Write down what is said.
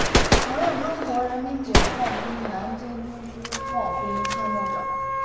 曾任中国人民解放军南京军区炮兵参谋长。